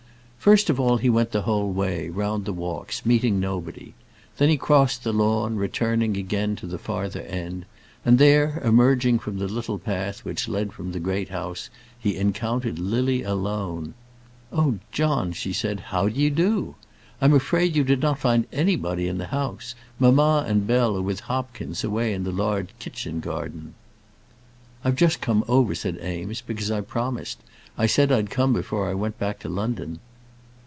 First of all he went the whole way round the walks, meeting nobody. Then he crossed the lawn, returning again to the farther end; and there, emerging from the little path which led from the Great House, he encountered Lily alone. "Oh, John," she said, "how d'ye do? I'm afraid you did not find anybody in the house. Mamma and Bell are with Hopkins, away in the large kitchen garden." "I've just come over," said Eames, "because I promised. I said I'd come before I went back to London."